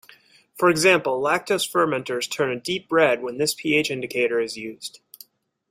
For example, lactose fermenters turn a deep red when this pH indicator is used.